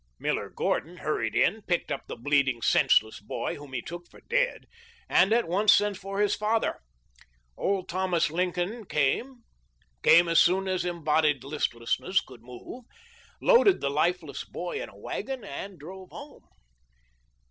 Miller Gordon hurried in, picked up the bleeding, senseless boy, whom he took for dead, and at once sent for his father. Old Thomas Lincoln came — came as soon as embodied listlessness could move — 6o THE LIFE OF LINCOLN. loaded the lifeless boy in a wagon and drove home.